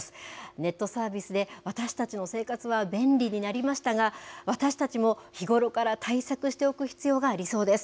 ネットサービスで私たちの生活は便利になりましたが、私たちも日頃から対策しておく必要がありそうです。